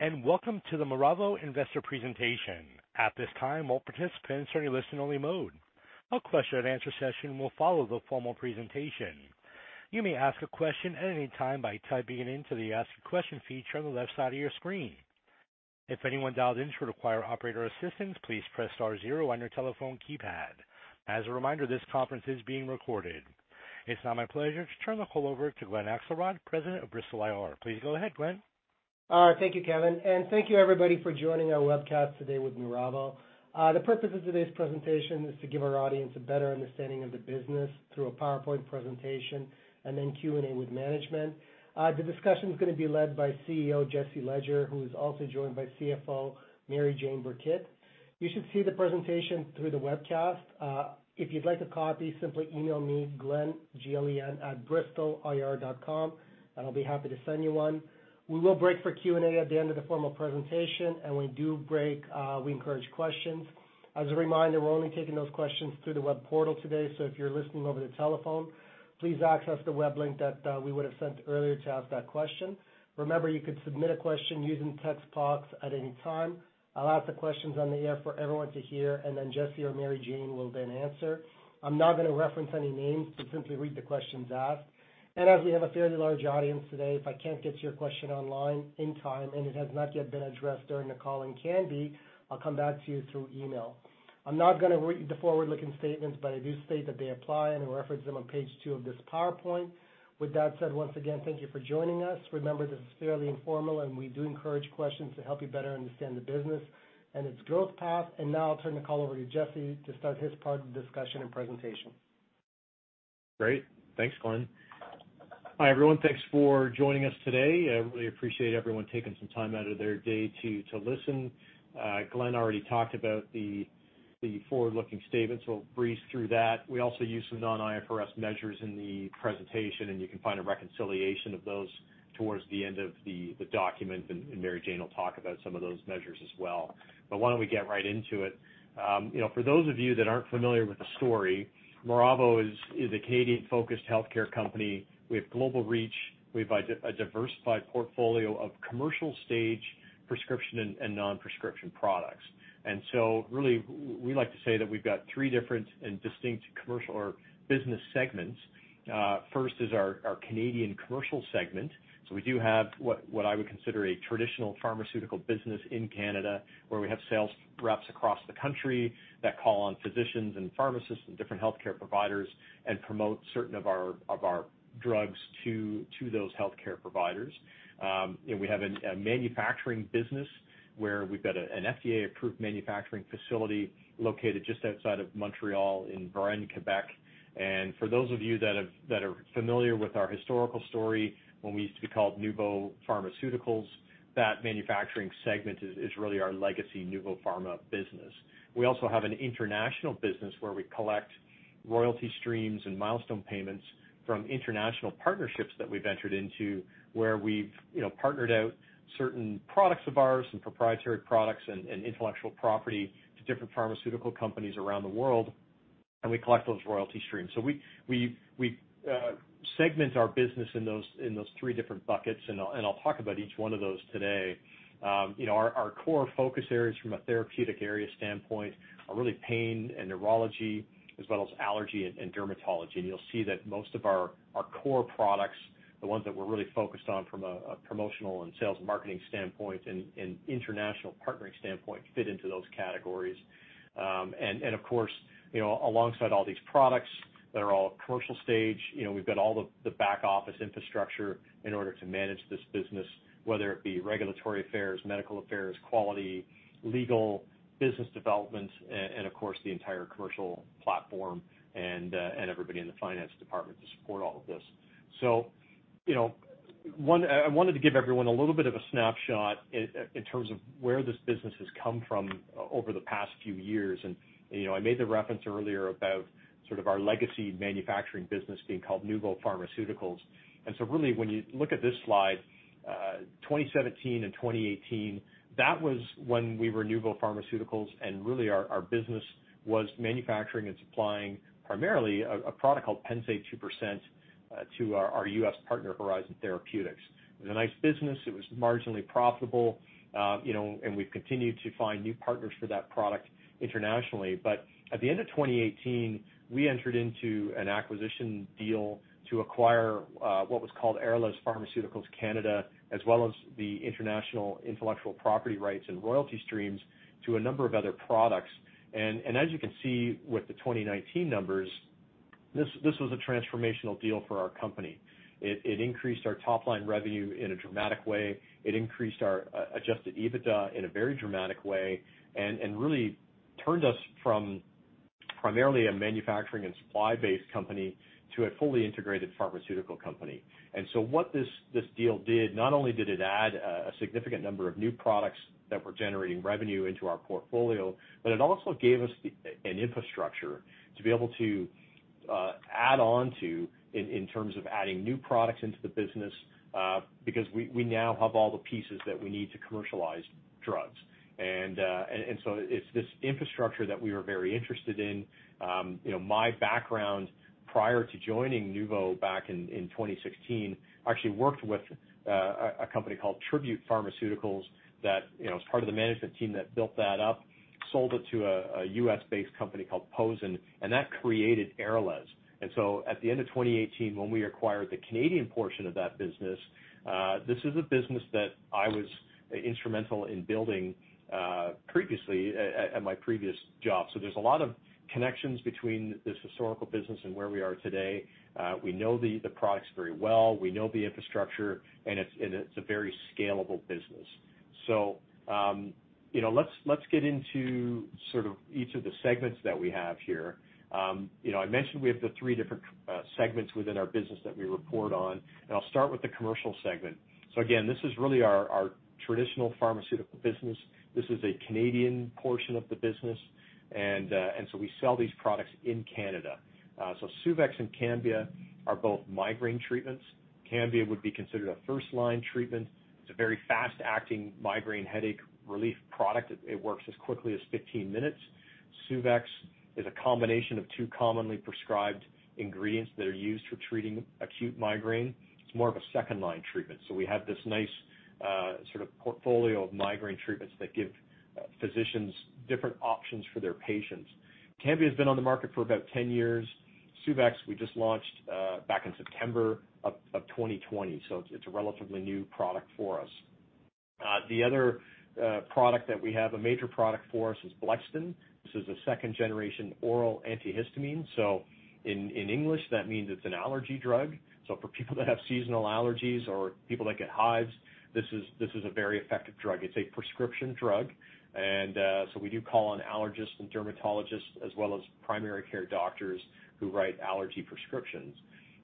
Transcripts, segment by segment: Hello, and welcome to the Miravo investor presentation. At this time, all participants are in listen-only mode. A question and answer session will follow the formal presentation. You may ask a question at any time by typing it into the ask a question feature on the left side of your screen. If anyone dialed in should require operator assistance, please press star zero on your telephone keypad. As a reminder, this conference is being recorded. It's now my pleasure to turn the call over to Glen Akselrod, President of Bristol IR. Please go ahead, Glen. All right. Thank you, Kevin, and thank you everybody for joining our webcast today with Miravo. The purpose of today's presentation is to give our audience a better understanding of the business through a PowerPoint presentation and then Q&A with management. The discussion is going to be led by CEO Jesse Ledger, who is also joined by CFO Mary-Jane Burkett. You should see the presentation through the webcast. If you'd like a copy, simply email me, Glen, G-L-E-N @bristolir.com and I'll be happy to send you one. We will break for Q&A at the end of the formal presentation, and when we do break, we encourage questions. As a reminder, we're only taking those questions through the web portal today, so if you're listening over the telephone, please access the web link that we would have sent earlier to ask that question. Remember, you could submit a question using the text box at any time. I'll ask the questions on the air for everyone to hear, and then Jesse or Mary-Jane will then answer. I'm not going to reference any names, just simply read the questions asked. As we have a fairly large audience today, if I can't get to your question online in time and it has not yet been addressed during the call and can be, I'll come back to you through email. I'm not going to read the forward-looking statements, but I do state that they apply and I reference them on page two of this PowerPoint. With that said, once again, thank you for joining us. Remember, this is fairly informal, and we do encourage questions to help you better understand the business and its growth path. Now I'll turn the call over to Jesse to start his part of the discussion and presentation. Great. Thanks, Glen. Hi, everyone. Thanks for joining us today. I really appreciate everyone taking some time out of their day to listen. Glen already talked about the forward-looking statements. We'll breeze through that. We also use some non-IFRS measures in the presentation, and you can find a reconciliation of those towards the end of the document, and Mary-Jane will talk about some of those measures as well. Why don't we get right into it? For those of you that aren't familiar with the story, Miravo is a Canadian-focused healthcare company with global reach. We have a diversified portfolio of commercial stage prescription and non-prescription products. Really, we like to say that we've got three different and distinct commercial or business segments. First is our Canadian commercial segment. We do have what I would consider a traditional pharmaceutical business in Canada, where we have sales reps across the country that call on physicians and pharmacists and different healthcare providers and promote certain of our drugs to those healthcare providers. We have a manufacturing business where we've got an FDA-approved manufacturing facility located just outside of Montreal in Varennes, Quebec. For those of you that are familiar with our historical story, when we used to be called Nuvo Pharmaceuticals, that manufacturing segment is really our legacy Nuvo Pharma business. We also have an international business where we collect royalty streams and milestone payments from international partnerships that we've entered into where we've partnered out certain products of ours and proprietary products and intellectual property to different pharmaceutical companies around the world. We collect those royalty streams. We segment our business in those three different buckets, and I'll talk about each one of those today. Our core focus areas from a therapeutic area standpoint are really pain and neurology as well as allergy and dermatology. You'll see that most of our core products, the ones that we're really focused on from a promotional and sales marketing standpoint and international partnering standpoint, fit into those categories. Of course, alongside all these products that are all at commercial stage, we've got all the back office infrastructure in order to manage this business, whether it be regulatory affairs, medical affairs, quality, legal, business development, and of course, the entire commercial platform and everybody in the finance department to support all of this. I wanted to give everyone a little bit of a snapshot in terms of where this business has come from over the past few years. I made the reference earlier about sort of our legacy manufacturing business being called Nuvo Pharmaceuticals. Really, when you look at this slide, 2017 and 2018, that was when we were Nuvo Pharmaceuticals, and really our business was manufacturing and supplying primarily a product called Pennsaid 2% to our U.S. partner, Horizon Therapeutics. It was a nice business. It was marginally profitable, you know and we've continued to find new partners for that product internationally. At the end of 2018, we entered into an acquisition deal to acquire what was called Aralez Pharmaceuticals Canada, as well as the international intellectual property rights and royalty streams to a number of other products. As you can see with the 2019 numbers, this was a transformational deal for our company. It increased our top-line revenue in a dramatic way. It increased our adjusted EBITDA in a very dramatic way and really turned us from primarily a manufacturing and supply-based company to a fully integrated pharmaceutical company. What this deal did, not only did it add a significant number of new products that were generating revenue into our portfolio, but it also gave us an infrastructure to be able to add on to in terms of adding new products into the business, because we now have all the pieces that we need to commercialize drugs. It's this infrastructure that we are very interested in. My background prior to joining Nuvo back in 2016, I actually worked with a company called Tribute Pharmaceuticals, that was part of the management team that built that up, sold it to a U.S.-based company called POZEN, and that created Aralez. At the end of 2018, when we acquired the Canadian portion of that business, this is a business that I was instrumental in building previously at my previous job. There's a lot of connections between this historical business and where we are today. We know the products very well. We know the infrastructure, and it's a very scalable business. Let's get into sort of each of the segments that we have here. I mentioned we have the three different segments within our business that we report on, and I'll start with the commercial segment. This is really our traditional pharmaceutical business. This is a Canadian portion of the business. We sell these products in Canada. Suvexx and Cambia are both migraine treatments. Cambia would be considered a first-line treatment. It's a very fast-acting migraine headache relief product. It works as quickly as 15 minutes. Suvexx is a combination of two commonly prescribed ingredients that are used for treating acute migraine. It's more of a second-line treatment. We have this nice sort of portfolio of migraine treatments that give physicians different options for their patients. Cambia has been on the market for about 10 years. Suvexx, we just launched back in September of 2020, so it's a relatively new product for us. The other product that we have, a major product for us, is Blexten. This is a second-generation oral antihistamine. In English, that means it's an allergy drug. For people that have seasonal allergies or people that get hives, this is a very effective drug. It's a prescription drug. We do call on allergists and dermatologists as well as primary care doctors who write allergy prescriptions.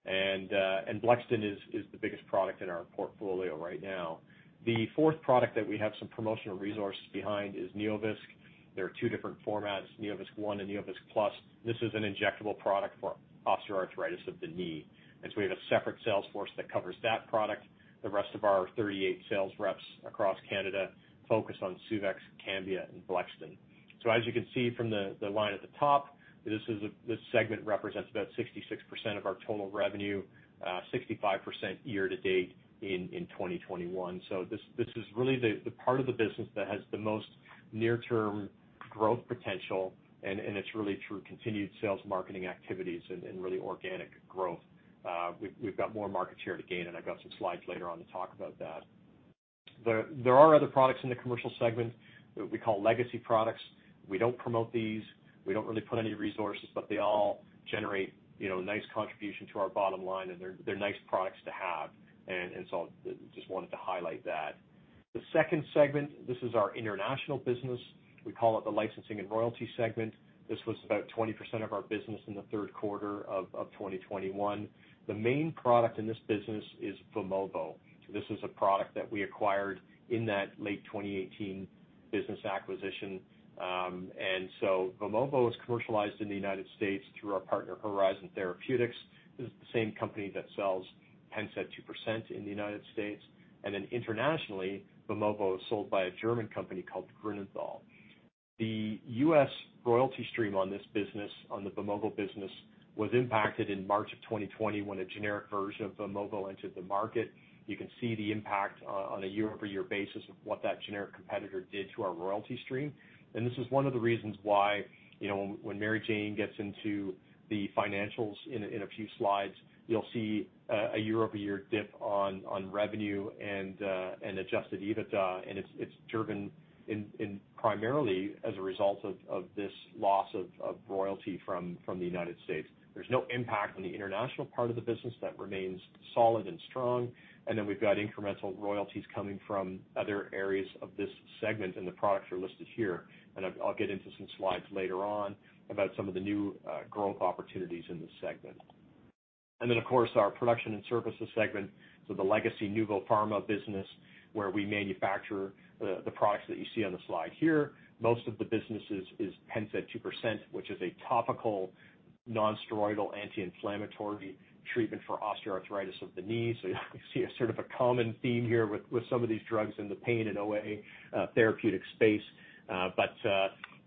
Blexten is the biggest product in our portfolio right now. The fourth product that we have some promotional resources behind is NeoVisc. There are two different formats, NeoVisc ONE and NeoVisc+. This is an injectable product for osteoarthritis of the knee. We have a separate sales force that covers that product. The rest of our 38 sales reps across Canada focus on Suvexx, Cambia, and Blexten. As you can see from the line at the top, this segment represents about 66% of our total revenue, 65% year to date in 2021. This is really the part of the business that has the most near-term growth potential, and it's really through continued sales, marketing activities, and really organic growth. We've got more market share to gain, and I've got some slides later on to talk about that. There are other products in the commercial segment that we call legacy products. We don't promote these. We don't really put any resources, but they all generate nice contribution to our bottom line, and they're nice products to have. I just wanted to highlight that. The second segment, this is our international business. We call it the licensing and royalty segment. This was about 20% of our business in the third quarter of 2021. The main product in this business is Vimovo. This is a product that we acquired in that late 2018 business acquisition. Vimovo is commercialized in the United States through our partner, Horizon Therapeutics. This is the same company that sells Pennsaid 2% in the United States. Internationally, Vimovo is sold by a German company called Grünenthal. The U.S. royalty stream on this business, on the Vimovo business, was impacted in March of 2020 when a generic version of Vimovo entered the market. You can see the impact on a year-over-year basis of what that generic competitor did to our royalty stream. This is one of the reasons why when Mary-Jane gets into the financials in a few slides, you'll see a year-over-year dip on revenue and adjusted EBITDA. It's driven primarily as a result of this loss of royalty from the United States. There's no impact on the international part of the business. That remains solid and strong. We've got incremental royalties coming from other areas of this segment, and the products are listed here. I'll get into some slides later on about some of the new growth opportunities in this segment. Of course, our production and services segment. The legacy Nuvo Pharma business, where we manufacture the products that you see on the slide here. Most of the business is Pennsaid 2%, which is a topical non-steroidal anti-inflammatory treatment for osteoarthritis of the knee. You see a sort of a common theme here with some of these drugs in the pain and OA therapeutic space. This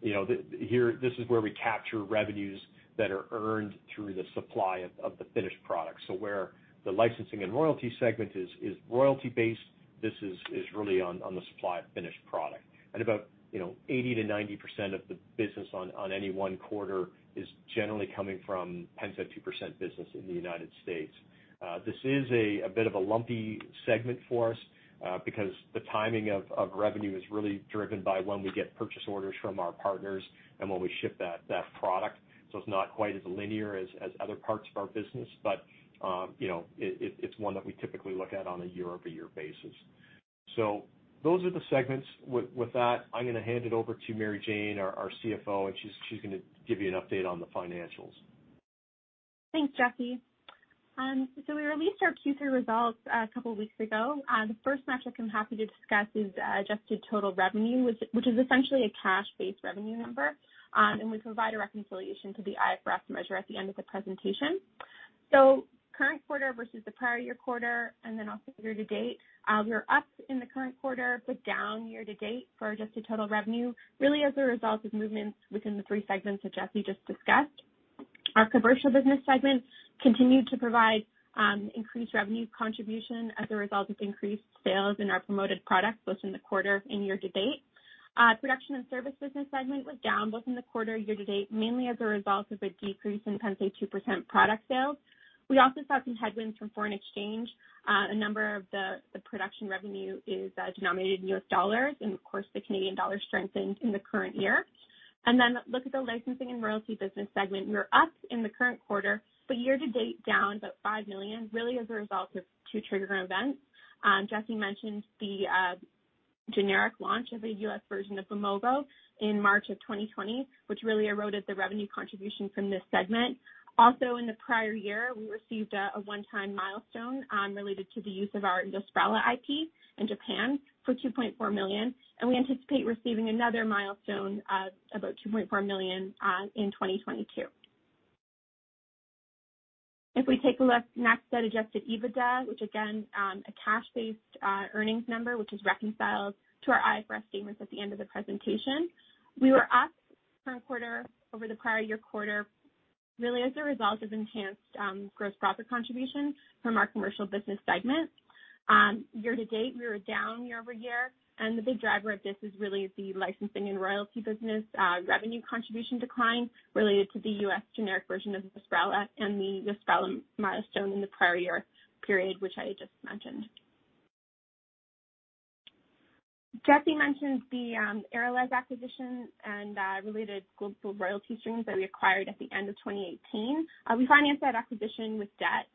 is where we capture revenues that are earned through the supply of the finished product. Where the licensing and royalty segment is royalty-based, this is really on the supply of finished product. About 80%-90% of the business on any one quarter is generally coming from Pennsaid 2% business in the United States. This is a bit of a lumpy segment for us because the timing of revenue is really driven by when we get purchase orders from our partners and when we ship that product. It's not quite as linear as other parts of our business, but it's one that we typically look at on a year-over-year basis. Those are the segments. With that, I'm going to hand it over to Mary-Jane, our CFO, and she's going to give you an update on the financials. Thanks, Jesse. So, we released our Q3 results a couple weeks ago. The first metric I'm happy to discuss is adjusted total revenue, which is essentially a cash-based revenue number, and we provide a reconciliation to the IFRS measure at the end of the presentation. Current quarter versus the prior year quarter, and then also year to date, we're up in the current quarter, but down year to date for adjusted total revenue, really as a result of movements within the three segments that Jesse just discussed. Our commercial business segment continued to provide increased revenue contribution as a result of increased sales in our promoted products, both in the quarter and year to date. Production and service business segment was down both in the quarter and year to date, mainly as a result of a decrease in Pennsaid 2% product sales. We also saw some headwinds from foreign exchange. A number of the production revenue is denominated in U.S. dollars, and of course, the Canadian dollar strengthened in the current year. Look at the licensing and royalty business segment. We're up in the current quarter, but year to date, down about 5 million, really as a result of two triggering events. Jesse mentioned the generic launch of a U.S. version of Vimovo in March of 2020, which really eroded the revenue contribution from this segment. Also, in the prior year, we received a one-time milestone related to the use of our Yosprala IP in Japan for 2.4 million, and we anticipate receiving another milestone of about 2.4 million in 2022. If we take a look next at adjusted EBITDA, which again, a cash-based earnings number, which is reconciled to our IFRS statements at the end of the presentation. We were up current quarter over the prior year quarter, really as a result of enhanced gross profit contribution from our commercial business segment. Year to date, we were down year-over-year, and the big driver of this is really the licensing and royalty business revenue contribution decline related to the U.S. generic version of Yosprala and the Yosprala milestone in the prior year period, which I just mentioned. Jesse mentioned the Aralez acquisition and related global royalty streams that we acquired at the end of 2018. We financed that acquisition with debt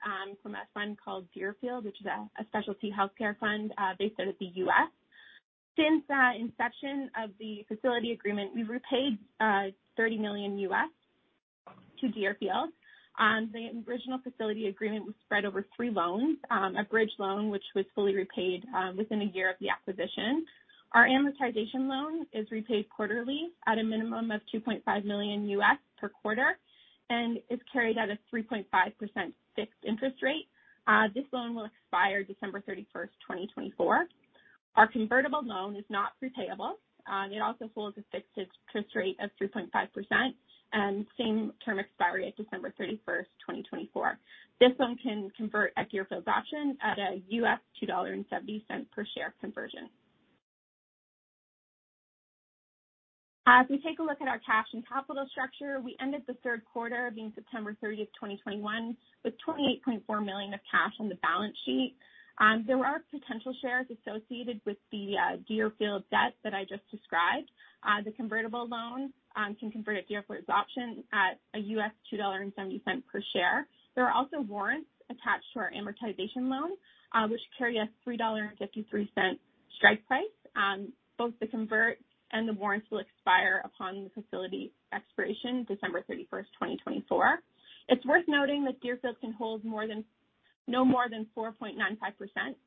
from a fund called Deerfield, which is a specialty healthcare fund based out of the U.S. Since the inception of the facility agreement, we've repaid $30 million to Deerfield. The original facility agreement was spread over three loans. A bridge loan, which was fully repaid within a year of the acquisition. Our amortization loan is repaid quarterly at a minimum of $2.5 million per quarter and is carried at a 3.5% fixed interest rate. This loan will expire December 31st, 2024. Our convertible loan is not repayable. It also holds a fixed interest rate of 3.5% and same-term expiry at December 31st, 2024. This loan can convert at Deerfield's option at a $2.70 per share conversion. As we take a look at our cash and capital structure, we ended the third quarter, being September 30th, 2021, with 28.4 million of cash on the balance sheet. There are potential shares associated with the Deerfield debt that I just described. The convertible loan can convert at Deerfield's option at a $2.70 per share. There are also warrants attached to our amortization loan, which carry a $3.53 strike price. Both the converts and the warrants will expire upon the facility expiration, December 31st, 2024. It's worth noting that Deerfield can hold no more than 4.95%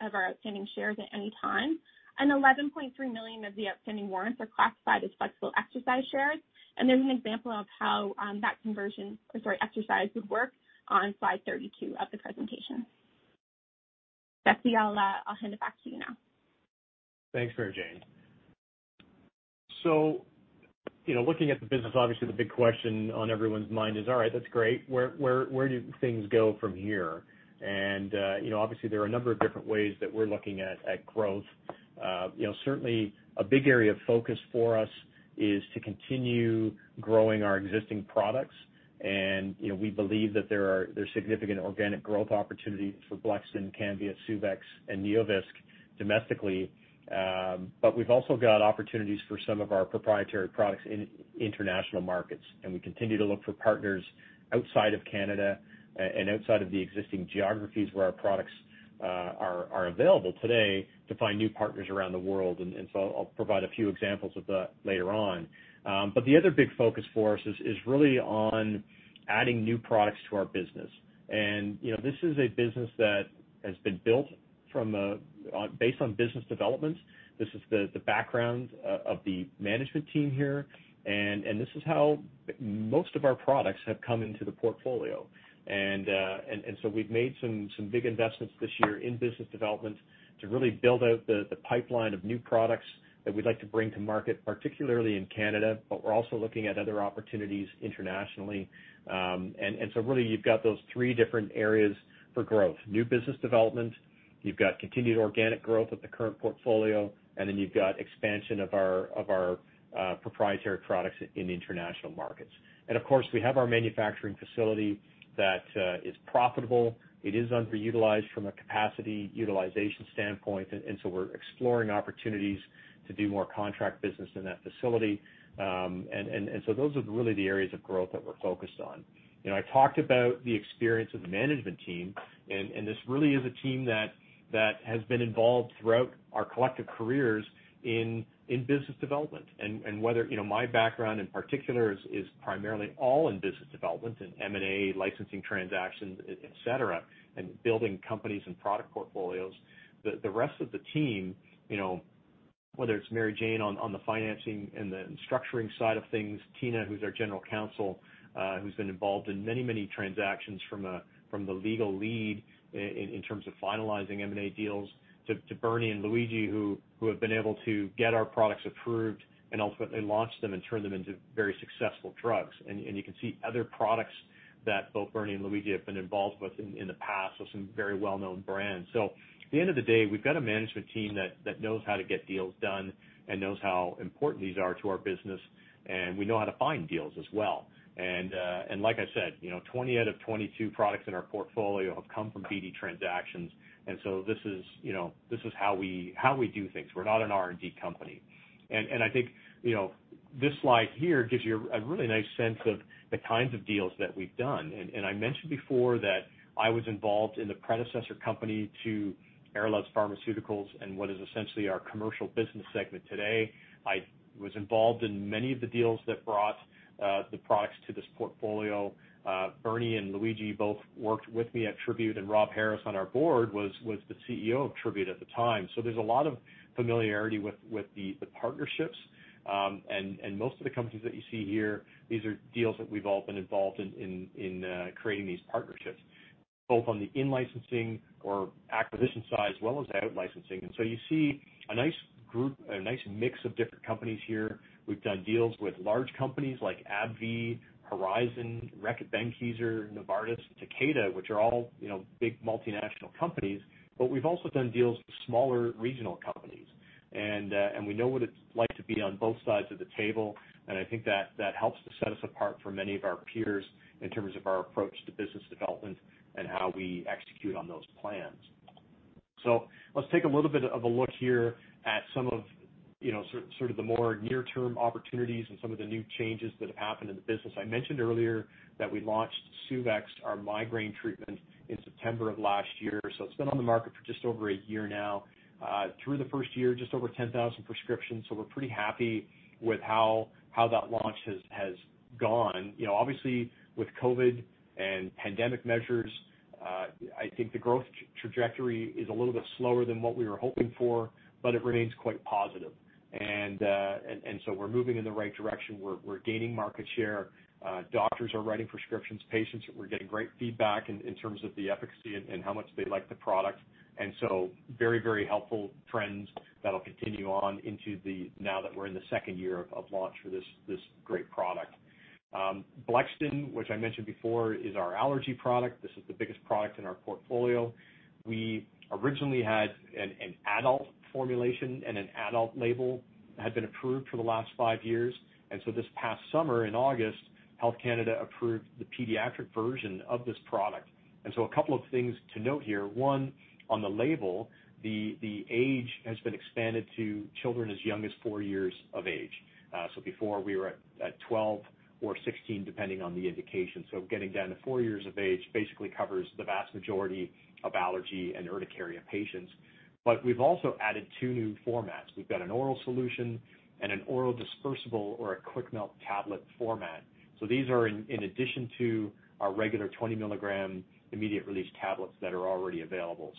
of our outstanding shares at any time, and 11.3 million of the outstanding warrants are classified as flexible exercise shares, and there's an example of how that conversion, or sorry, exercise would work on slide 32 of the presentation. Jesse, I'll hand it back to you now. Thanks, Mary-Jane. Looking at the business, obviously the big question on everyone's mind is, all right, that's great, where do things go from here? Obviously there are a number of different ways that we're looking at growth. Certainly, a big area of focus for us is to continue growing our existing products. We believe that there are significant organic growth opportunities for Blexten, Cambia, Suvexx, and NeoVisc domestically. We've also got opportunities for some of our proprietary products in international markets, and we continue to look for partners outside of Canada and outside of the existing geographies where our products are available today to find new partners around the world. I'll provide a few examples of that later on. The other big focus for us is really on adding new products to our business. This is a business that has been built based on business development. This is the background of the management team here, and this is how most of our products have come into the portfolio. We've made some big investments this year in business development to really build out the pipeline of new products that we'd like to bring to market, particularly in Canada. We're also looking at other opportunities internationally. Really you've got those three different areas for growth, new business development, you've got continued organic growth with the current portfolio, and then you've got expansion of our proprietary products in international markets. Of course, we have our manufacturing facility that is profitable. It is underutilized from a capacity utilization standpoint, and so we're exploring opportunities to do more contract business in that facility. Those are really the areas of growth that we're focused on. I talked about the experience of the management team, and this really is a team that has been involved throughout our collective careers in business development. Whether, my background in particular, is primarily all in business development, in M&A, licensing transactions, et cetera, and building companies and product portfolios. The rest of the team, you know, whether it's Mary-Jane on the financing and the structuring side of things, Tina, who's our General Counsel, who's been involved in many, many transactions from the legal lead in terms of finalizing M&A deals, to Bernie and Luigi, who have been able to get our products approved and ultimately launch them and turn them into very successful drugs. You can see other products that both Bernie and Luigi have been involved with in the past, so some very well-known brands. At the end of the day, we've got a management team that knows how to get deals done and knows how important these are to our business, and we know how to find deals as well. Like I said, 20 out of 22 products in our portfolio have come from BD transactions, and so this is how we do things. We're not an R&D company. I think this slide here gives you a really nice sense of the kinds of deals that we've done. I mentioned before that I was involved in the predecessor company to Aralez Pharmaceuticals and what is essentially our commercial business segment today. I was involved in many of the deals that brought the products to this portfolio. Bernie and Luigi both worked with me at Tribute, and Rob Harris on our board was the CEO of Tribute at the time. There's a lot of familiarity with the partnerships. Most of the companies that you see here, these are deals that we've all been involved in creating these partnerships, both on the in-licensing or acquisition side, as well as out-licensing. You see a nice group, a nice mix of different companies here. We've done deals with large companies like AbbVie, Horizon, Reckitt Benckiser, Novartis, Takeda, which are all big multinational companies. We've also done deals with smaller regional companies, and we know what it's like to be on both sides of the table, and I think that helps to set us apart from many of our peers in terms of our approach to business development and how we execute on those plans. Let's take a little bit of a look here at some of sort of the more near-term opportunities and some of the new changes that have happened in the business. I mentioned earlier that we launched Suvexx, our migraine treatment, in September of last year, so it's been on the market for just over a year now. Through the first year, just over 10,000 prescriptions, so we're pretty happy with how that launch has gone. Obviously, with COVID and pandemic measures, I think the growth trajectory is a little bit slower than what we were hoping for, but it remains quite positive. We're moving in the right direction. We're gaining market share. Doctors are writing prescriptions. Patients, we're getting great feedback in terms of the efficacy and how much they like the product. Very helpful trends that'll continue on into the, now that we're in the second year of launch for this great product. Blexten, which I mentioned before, is our allergy product. This is the biggest product in our portfolio. We originally had an adult formulation, and an adult label had been approved for the last five years. This past summer, in August, Health Canada approved the pediatric version of this product. A couple of things to note here. One, on the label, the age has been expanded to children as young as four years of age. Before, we were at 12 or 16, depending on the indication. Getting down to four years of age basically covers the vast majority of allergy and urticaria patients. We've also added two new formats. We've got an oral solution and an orodispersible or a quick-melt tablet format. These are in addition to our regular 20 mg immediate-release tablets that are already available.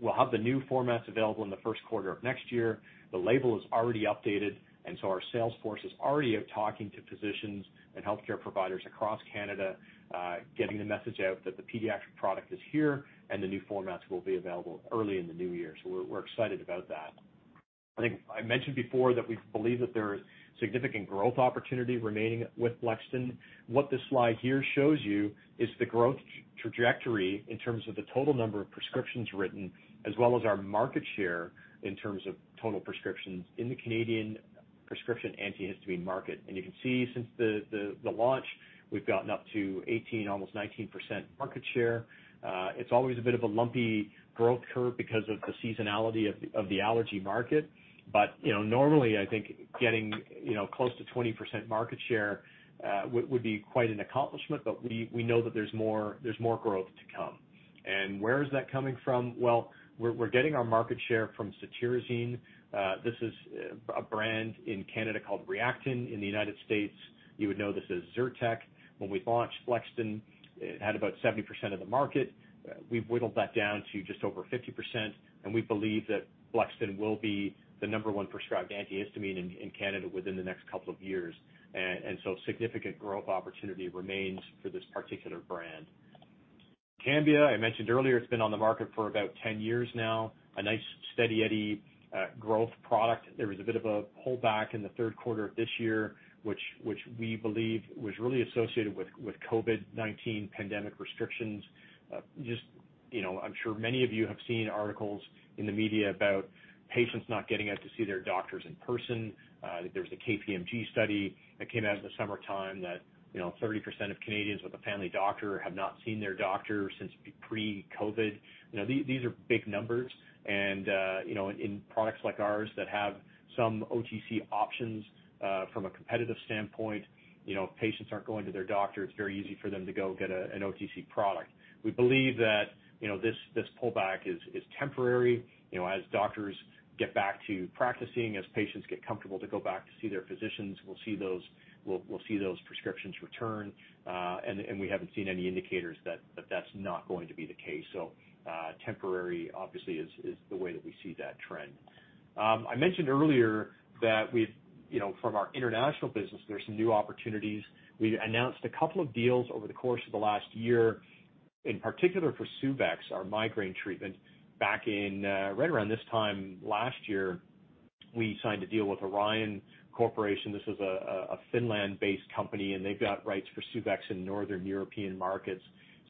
We'll have the new formats available in the first quarter of next year. The label is already updated, and so our sales force is already out talking to physicians and healthcare providers across Canada, getting the message out that the pediatric product is here, and the new formats will be available early in the new year. We're excited about that. I think I mentioned before that we believe that there is significant growth opportunity remaining with Blexten. What this slide here shows you is the growth trajectory in terms of the total number of prescriptions written, as well as our market share in terms of total prescriptions in the Canadian prescription antihistamine market. You can see since the launch, we've gotten up to 18%, almost 19% market share. It's always a bit of a lumpy growth curve because of the seasonality of the allergy market. Normally, I think getting close to 20% market share would be quite an accomplishment, but we know that there's more growth to come. Where is that coming from? Well, we're getting our market share from cetirizine. This is a brand in Canada called Reactine. In the United States, you would know this as Zyrtec. When we launched Blexten, it had about 70% of the market. We've whittled that down to just over 50%, and we believe that Blexten will be the number one prescribed antihistamine in Canada within the next couple of years. Significant growth opportunity remains for this particular brand. Cambia, I mentioned earlier, it's been on the market for about 10 years now, a nice steady eddie growth product. There was a bit of a holdback in the third quarter of this year, which we believe was really associated with COVID-19 pandemic restrictions. Just, you know, I'm sure many of you have seen articles in the media about patients not getting out to see their doctors in person. There was a KPMG study that came out in the summertime that 30% of Canadians with a family doctor have not seen their doctor since pre-COVID. These are big numbers. In products like ours that have some OTC options from a competitive standpoint, if patients aren't going to their doctor, it's very easy for them to go get an OTC product. We believe that this pullback is temporary. As doctors get back to practicing, as patients get comfortable to go back to see their physicians, we'll see those prescriptions return. We haven't seen any indicators that that's not going to be the case. Temporary, obviously, is the way that we see that trend. I mentioned earlier that from our international business, there's some new opportunities. We've announced a couple of deals over the course of the last year, in particular for Suvexx, our migraine treatment, back in right around this time last year, we signed a deal with Orion Corporation. This is a Finland-based company, and they've got rights for Suvexx in Northern European markets.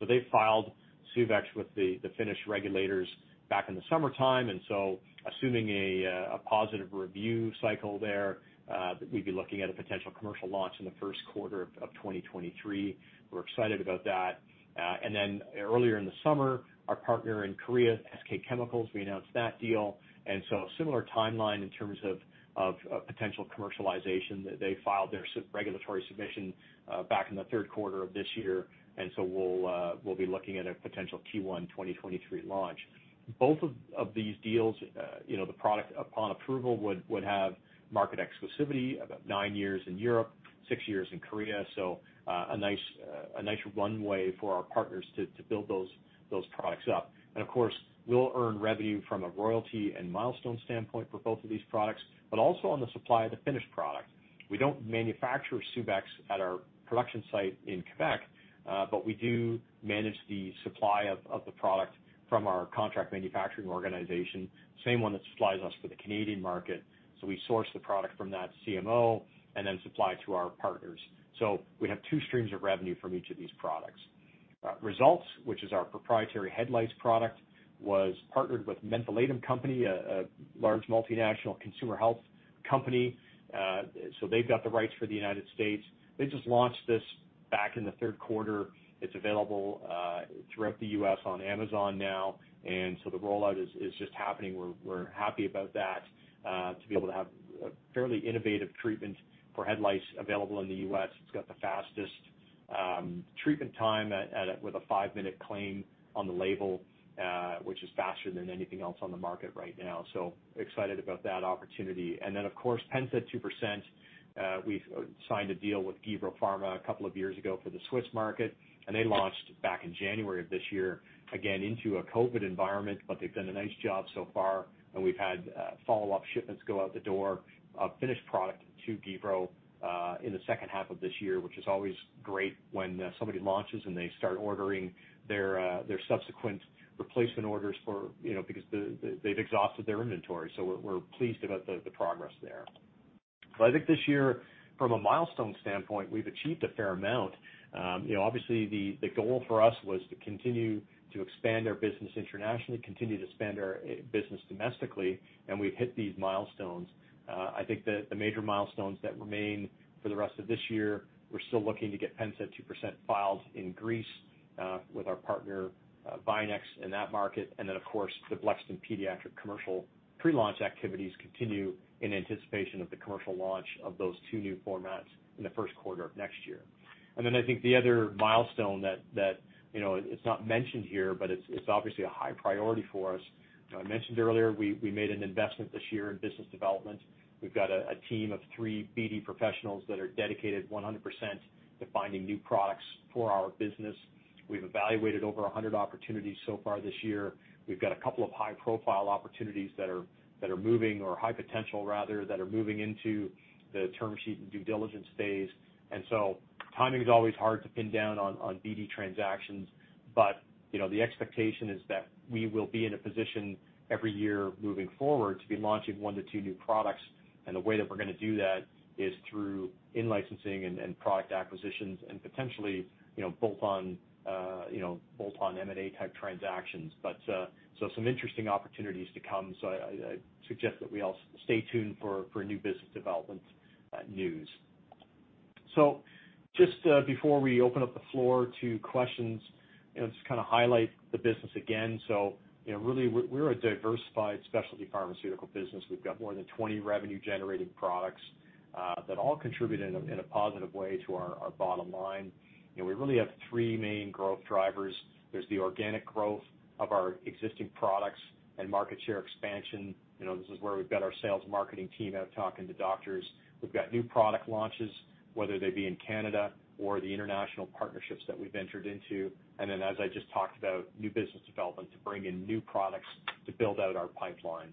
They filed Suvexx with the Finnish regulators back in the summertime, and so assuming a positive review cycle there, that we'd be looking at a potential commercial launch in the first quarter of 2023. We're excited about that. Earlier in the summer, our partner in Korea, SK Chemicals, we announced that deal, and so a similar timeline in terms of potential commercialization. They filed their regulatory submission back in the third quarter of this year, and so we'll be looking at a potential Q1 2023 launch. Both of these deals, the product upon approval would have market exclusivity, about nine years in Europe, six years in Korea. A nice runway for our partners to build those products up. Of course, we'll earn revenue from a royalty and milestone standpoint for both of these products, but also on the supply of the finished product. We don't manufacture Suvexx at our production site in Quebec, but we do manage the supply of the product from our contract manufacturing organization, same one that supplies us for the Canadian market. We source the product from that CMO and then supply it to our partners. We have two streams of revenue from each of these products. Resultz, which is our proprietary head lice product, was partnered with The Mentholatum Company, a large multinational consumer health company. They've got the rights for the United States. They just launched this back in the third quarter. It's available throughout the U.S. on Amazon now, and so the rollout is just happening. We're happy about that, to be able to have a fairly innovative treatment for head lice available in the U.S. It's got the fastest treatment time with a five-minute claim on the label, which is faster than anything else on the market right now. Excited about that opportunity. Then, of course, Pennsaid 2%, we've signed a deal with Gebro Pharma a couple of years ago for the Swiss market, and they launched back in January of this year, again, into a COVID environment, but they've done a nice job so far, and we've had follow-up shipments go out the door, finished product to Gebro in the second half of this year, which is always great when somebody launches and they start ordering their subsequent replacement orders for because they've exhausted their inventory. We're pleased about the progress there. I think this year, from a milestone standpoint, we've achieved a fair amount. Obviously, the goal for us was to continue to expand our business internationally, continue to expand our business domestically, and we've hit these milestones. I think that the major milestones that remain for the rest of this year, we're still looking to get Pennsaid 2% filed in Greece with our partner, Vianex, in that market. Then, of course, the Blexten pediatric commercial pre-launch activities continue in anticipation of the commercial launch of those two new formats in the first quarter of next year. I think the other milestone that, it's not mentioned here, but it's obviously a high priority for us. I mentioned earlier we made an investment this year in business development. We've got a team of three BD professionals that are dedicated 100% to finding new products for our business. We've evaluated over 100 opportunities so far this year. We've got a couple of high-profile opportunities that are moving or high potential, rather, that are moving into the term sheet and due diligence phase. Timing is always hard to pin down on BD transactions. The expectation is that we will be in a position every year moving forward to be launching one to two new products and the way that we're going to do that is through in-licensing and product acquisitions and potentially bolt-on M&A type transactions. Some interesting opportunities to come. I suggest that we all stay tuned for new business development news. Just before we open up the floor to questions, just to kind of highlight the business again. Really, we're a diversified specialty pharmaceutical business. We've got more than 20 revenue-generating products that all contribute in a positive way to our bottom line. We really have three main growth drivers. There's the organic growth of our existing products and market share expansion. This is where we've got our sales marketing team out talking to doctors. We've got new product launches, whether they be in Canada or the international partnerships that we've entered into. As I just talked about, new business development to bring in new products to build out our pipeline.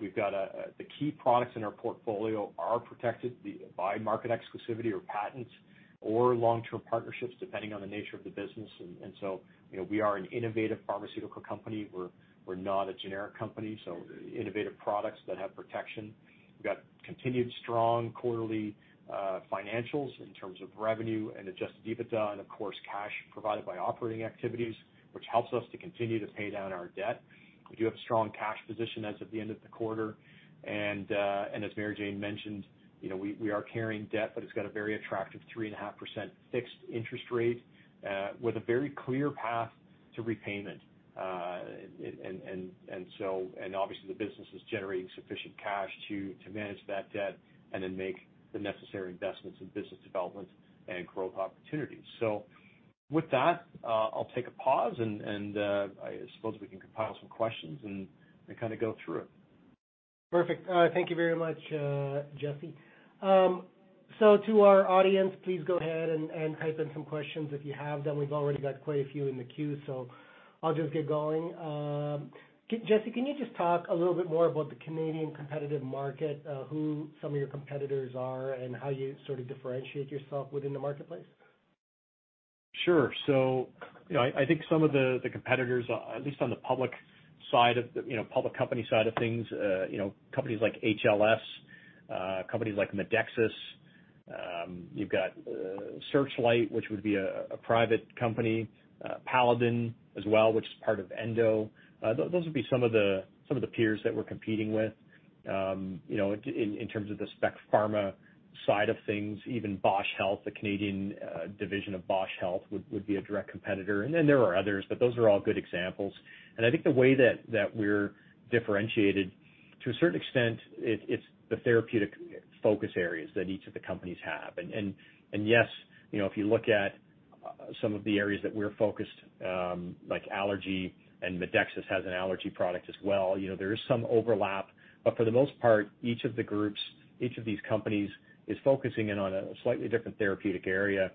We've got the key products in our portfolio are protected by market exclusivity or patents or long-term partnerships, depending on the nature of the business. We are an innovative pharmaceutical company. We're not a generic company, so innovative products that have protection. We've got continued strong quarterly financials in terms of revenue and adjusted EBITDA and of course, cash provided by operating activities, which helps us to continue to pay down our debt. We do have a strong cash position as of the end of the quarter, and as Mary-Jane mentioned, we are carrying debt, but it's got a very attractive 3.5% fixed interest rate with a very clear path to repayment. Obviously, the business is generating sufficient cash to manage that debt and then make the necessary investments in business development and growth opportunities. With that, I'll take a pause, and I suppose we can compile some questions and kind of go through it. Perfect. Thank you very much, Jesse. To our audience, please go ahead and type in some questions if you have them. We've already got quite a few in the queue, so I'll just get going. Jesse, can you just talk a little bit more about the Canadian competitive market, who some of your competitors are, and how you sort of differentiate yourself within the marketplace? Sure. I think some of the competitors, at least on the public company side of things, companies like HLS, companies like Medexus. You've got Searchlight, which would be a private company. Paladin as well, which is part of Endo. Those would be some of the peers that we're competing with. In terms of the spec pharma side of things, even Bausch Health, the Canadian division of Bausch Health, would be a direct competitor. Then there are others, but those are all good examples. I think the way that we're differentiated, to a certain extent, it's the therapeutic focus areas that each of the companies have. Yes, if you look at some of the areas that we're focused, like allergy, and Medexus has an allergy product as well, there is some overlap. For the most part, each of the groups, each of these companies, is focusing in on a slightly different therapeutic area.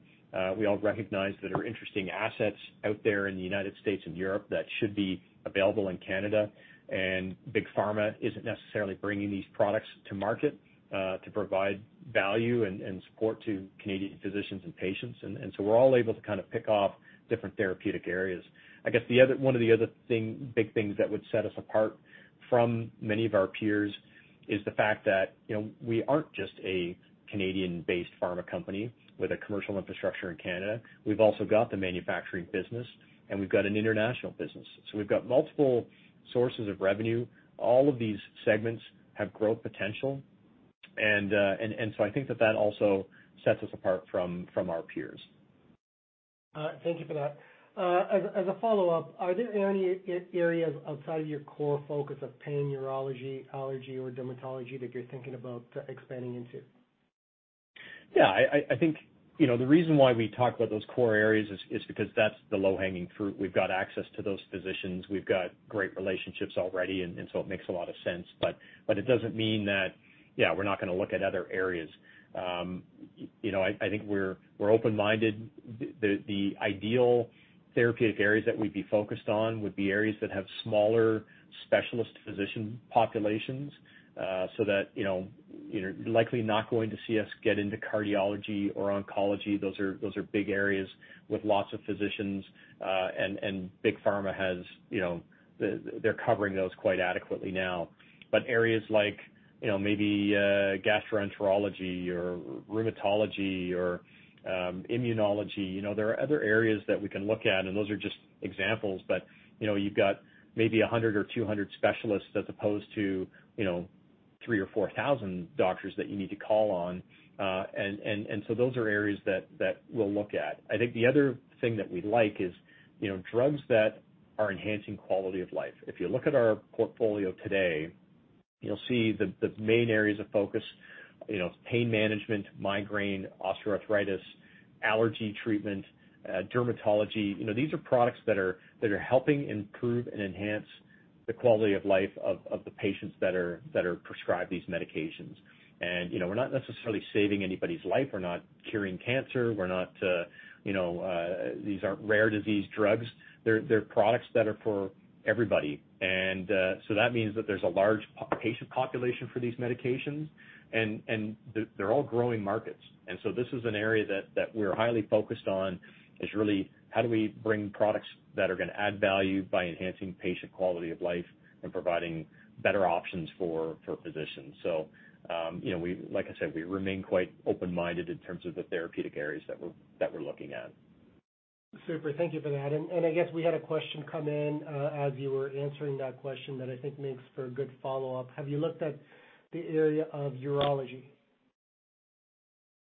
We all recognize there are interesting assets out there in the United States and Europe that should be available in Canada, and big pharma isn't necessarily bringing these products to market to provide value and support to Canadian physicians and patients. We're all able to kind of pick off different therapeutic areas. I guess one of the other big things that would set us apart from many of our peers is the fact that we aren't just a Canadian-based pharma company with a commercial infrastructure in Canada. We've also got the manufacturing business and we've got an international business. We've got multiple sources of revenue. All of these segments have growth potential. I think that that also sets us apart from our peers. Thank you for that. As a follow-up, are there any areas outside of your core focus of pain, urology, allergy, or dermatology that you're thinking about expanding into? Yeah. I think the reason why we talk about those core areas is because that's the low-hanging fruit. We've got access to those physicians. We've got great relationships already, and so it makes a lot of sense. It doesn't mean that we're not going to look at other areas. I think we're open-minded. The ideal therapeutic areas that we'd be focused on would be areas that have smaller specialist physician populations, so that you're likely not going to see us get into cardiology or oncology. Those are big areas with lots of physicians. Big pharma, they're covering those quite adequately now. Areas like maybe gastroenterology or rheumatology or immunology. There are other areas that we can look at, and those are just examples, but you've got maybe 100 or 200 specialists as opposed to 3,000 or 4,000 doctors that you need to call on. Those are areas that we'll look at. I think the other thing that we like is drugs that are enhancing quality of life. If you look at our portfolio today, you'll see the main areas of focus, pain management, migraine, osteoarthritis, allergy treatment, dermatology. These are products that are helping improve and enhance the quality of life of the patients that are prescribed these medications. We're not necessarily saving anybody's life. We're not curing cancer. These aren't rare disease drugs. They're products that are for everybody. That means that there's a large patient population for these medications, and they're all growing markets. This is an area that we're highly focused on, is really how do we bring products that are going to add value by enhancing patient quality of life and providing better options for physicians. Like I said, we remain quite open-minded in terms of the therapeutic areas that we're looking at. Super. Thank you for that. I guess we had a question come in as you were answering that question that I think makes for a good follow-up. Have you looked at the area of urology?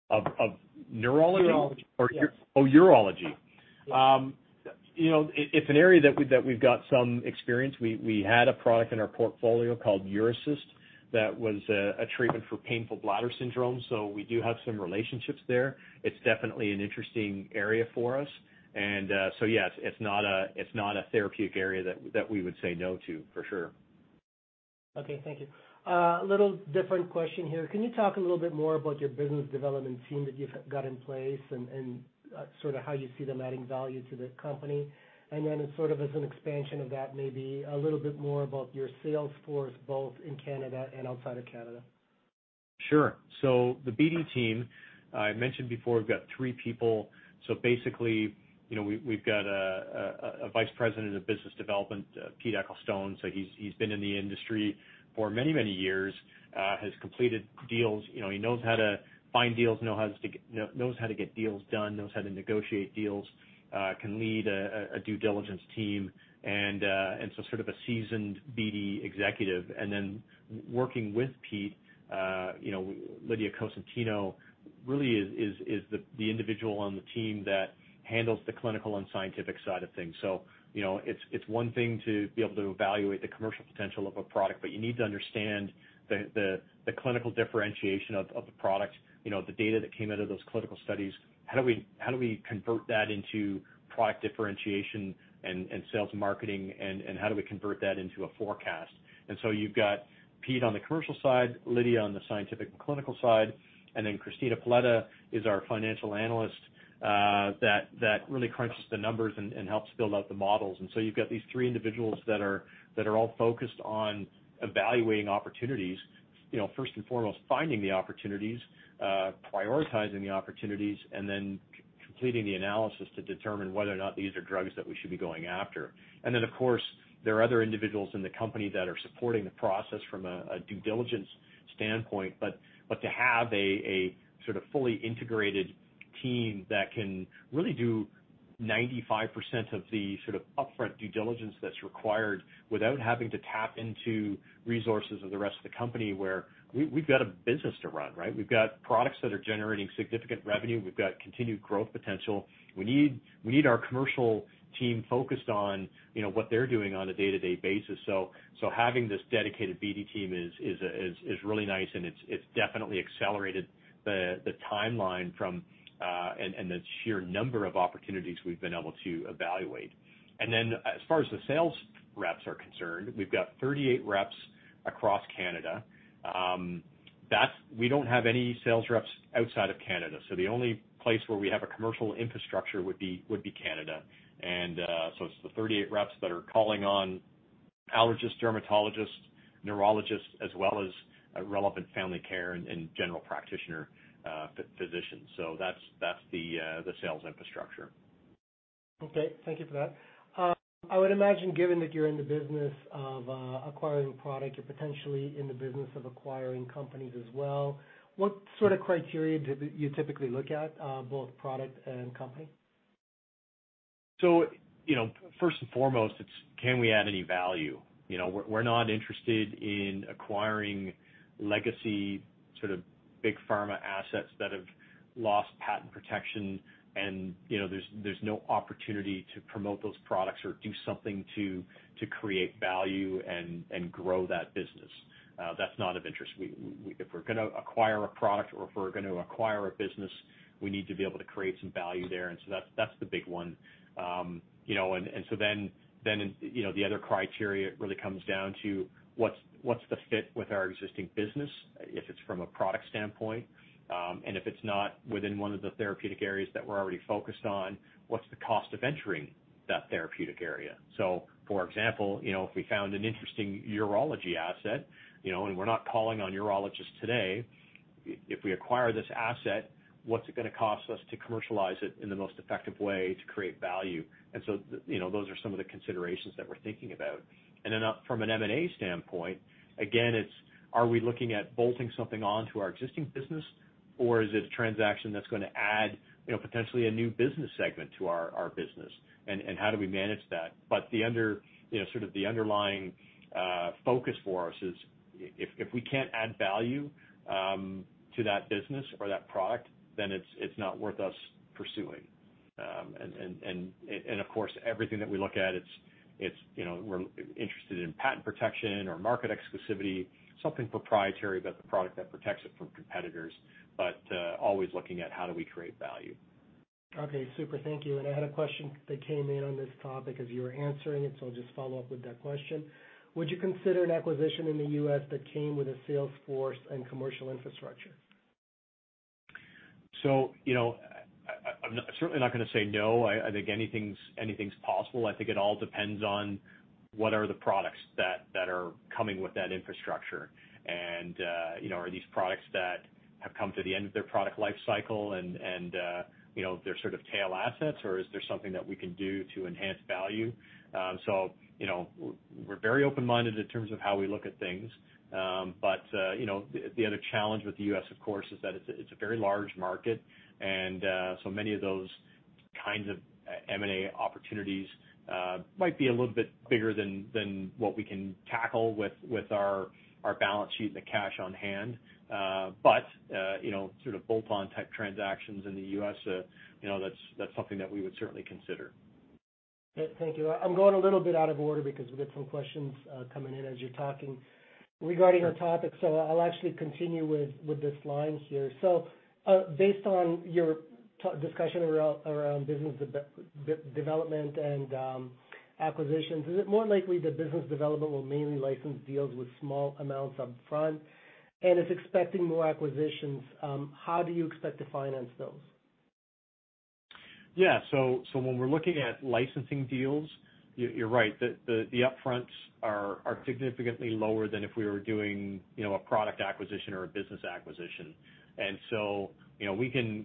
Of neurology? Urology. Yes. Oh, urology. Yes. You know, it's an area that we've got some experience. We had a product in our portfolio called Uracyst that was a treatment for painful bladder syndrome. We do have some relationships there. It's definitely an interesting area for us. Yes, it's not a therapeutic area that we would say no to, for sure. Okay. Thank you. A little different question here. Can you talk a little bit more about your business development team that you've got in place and sort of how you see them adding value to the company? Sort of as an expansion of that, maybe a little bit more about your sales force, both in Canada and outside of Canada? Sure. The BD team, I mentioned before, we've got three people. Basically, we've got a Vice President of Business Development, Pete Ecclestone. He's been in the industry for many, many years. Has completed deals. He knows how to find deals, knows how to get deals done, knows how to negotiate deals. Can lead a due diligence team. Sort of a seasoned BD executive. Then working with Pete, Lidia Cosentino really is the individual on the team that handles the clinical and scientific side of things. It's one thing to be able to evaluate the commercial potential of a product, but you need to understand the clinical differentiation of the product, the data that came out of those clinical studies. How do we convert that into product differentiation and sales marketing, and how do we convert that into a forecast? You've got Pete on the commercial side, Lidia on the scientific and clinical side, and then Cristina Paletta is our financial analyst that really crunches the numbers and helps build out the models. You've got these three individuals that are all focused on evaluating opportunities. You know, first and foremost, finding the opportunities, prioritizing the opportunities, and then completing the analysis to determine whether or not these are drugs that we should be going after. And then, of course, there are other individuals in the company that are supporting the process from a due diligence standpoint. To have a sort of fully integrated team that can really do 95% of the sort of upfront due diligence that's required without having to tap into resources of the rest of the company, where we've got a business to run, right? We've got products that are generating significant revenue. We've got continued growth potential. We need our commercial team focused on what they're doing on a day-to-day basis. Having this dedicated BD team is really nice and it's definitely accelerated the timeline and the sheer number of opportunities we've been able to evaluate. As far as the sales reps are concerned, we've got 38 reps across Canada. We don't have any sales reps outside of Canada. The only place where we have a commercial infrastructure would be Canada. It's the 38 reps that are calling on allergists, dermatologists, neurologists, as well as relevant family care and general practitioner physicians. That's the sales infrastructure. Okay. Thank you for that. I would imagine given that you're in the business of acquiring product, you're potentially in the business of acquiring companies as well. What sort of criteria do you typically look at, both product and company? So, you know, first and foremost it's can we add any value? We're not interested in acquiring legacy sort of big pharma assets that have lost patent protection, and there's no opportunity to promote those products or do something to create value and grow that business. That's not of interest. If we're going to acquire a product or if we're going to acquire a business, we need to be able to create some value there. That's the big one. Then, the other criteria really comes down to what's the fit with our existing business, if it's from a product standpoint. And, if it's not within one of the therapeutic areas that we're already focused on, what's the cost of entering that therapeutic area? For example, if we found an interesting urology asset, and we're not calling on urologists today, if we acquire this asset, what's it going to cost us to commercialize it in the most effective way to create value? Those are some of the considerations that we're thinking about. From an M&A standpoint, again, it's are we looking at bolting something on to our existing business, or is it a transaction that's going to add potentially a new business segment to our business, and how do we manage that? The sort of the underlying focus for us is if we can't add value to that business or that product, then it's not worth us pursuing. Of course, everything that we look at, we're interested in patent protection or market exclusivity, something proprietary about the product that protects it from competitors. But always looking at how do we create value. Okay, super. Thank you. I had a question that came in on this topic as you were answering it, so I'll just follow up with that question. Would you consider an acquisition in the U.S. that came with a sales force and commercial infrastructure? I'm certainly not going to say no. I think anything's possible. I think it all depends on what are the products that are coming with that infrastructure. Are these products that have come to the end of their product life cycle and they're sort of tail assets, or is there something that we can do to enhance value? We're very open-minded in terms of how we look at things. The other challenge with the U.S., of course, is that it's a very large market, and so many of those kinds of M&A opportunities might be a little bit bigger than what we can tackle with our balance sheet and the cash on hand. But, sort of bolt-on type transactions in the U.S., that's something that we would certainly consider. Thank you. I'm going a little bit out of order because we've got some questions coming in as you're talking regarding our topic. I'll actually continue with this line here. Based on your discussion around business development and acquisitions, is it more likely that business development will mainly license deals with small amounts up front and is expecting more acquisitions? How do you expect to finance those? Yeah. When we're looking at licensing deals, you're right. The up-fronts are significantly lower than if we were doing a product acquisition or a business acquisition.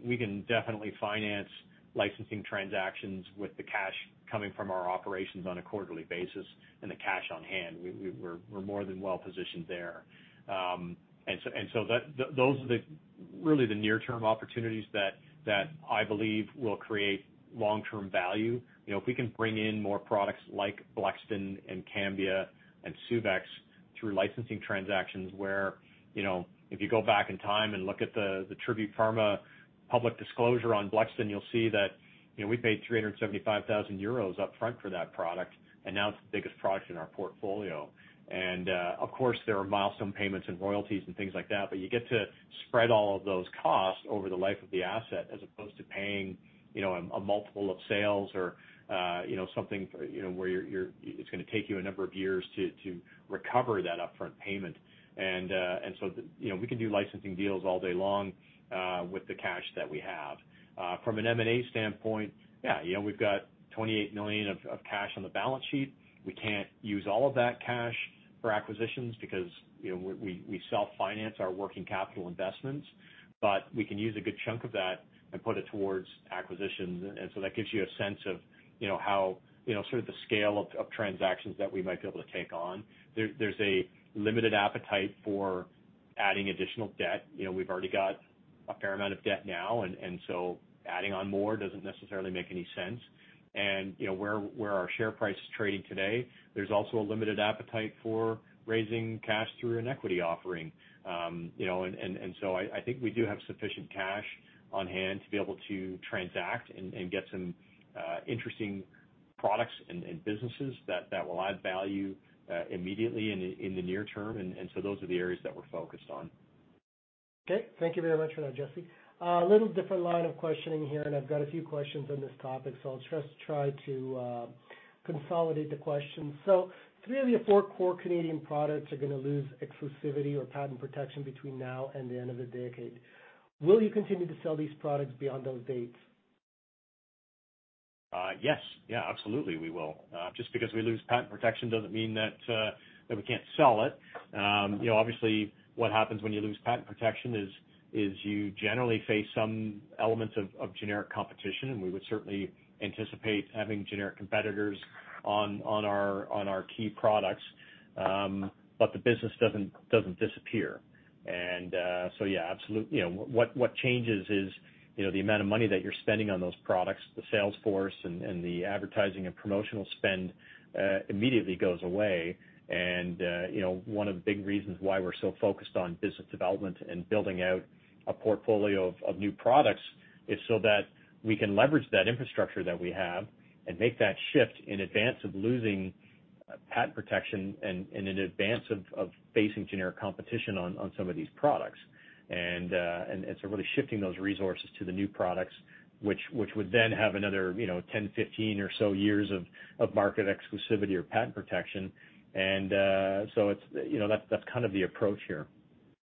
We can definitely finance licensing transactions with the cash coming from our operations on a quarterly basis and the cash on hand. We're more than well positioned there. Those are really the near-term opportunities that I believe will create long-term value. If we can bring in more products like Blexten and Cambia and Suvexx through licensing transactions where, if you go back in time and look at the Tribute Pharmaceuticals public disclosure on Blexten, you'll see that we paid 375,000 euros up front for that product, and now it's the biggest product in our portfolio. Of course, there are milestone payments and royalties and things like that, but you get to spread all of those costs over the life of the asset, as opposed to paying a multiple of sales or something where it's going to take you a number of years to recover that upfront payment. We can do licensing deals all day long with the cash that we have. From an M&A standpoint, we've got 28 million of cash on the balance sheet. We can't use all of that cash for acquisitions because we self-finance our working capital investments. We can use a good chunk of that and put it towards acquisitions. That gives you a sense of how sort of the scale of transactions that we might be able to take on. There's a limited appetite for adding additional debt. We've already got a fair amount of debt now, and so adding on more doesn't necessarily make any sense. Where our share price is trading today, there's also a limited appetite for raising cash through an equity offering. I think we do have sufficient cash on hand to be able to transact and get some interesting products and businesses that will add value immediately in the near term. Those are the areas that we're focused on. Okay. Thank you very much for that, Jesse. A little different line of questioning here, and I've got a few questions on this topic, so I'll just try to consolidate the questions. Three of your four core Canadian products are going to lose exclusivity or patent protection between now and the end of the decade. Will you continue to sell these products beyond those dates? Yes. Absolutely, we will. Just because we lose patent protection doesn't mean that we can't sell it. Obviously, what happens when you lose patent protection is you generally face some elements of generic competition, and we would certainly anticipate having generic competitors on our key products. The business doesn't disappear. Yeah, absolutely. What changes is the amount of money that you're spending on those products, the sales force and the advertising and promotional spend immediately goes away. One of the big reasons why we're so focused on business development and building out a portfolio of new products is so that we can leverage that infrastructure that we have and make that shift in advance of losing patent protection and in advance of facing generic competition on some of these products. And, it's really shifting those resources to the new products, which would then have another 10-15 years or so of market exclusivity or patent protection. That's kind of the approach here.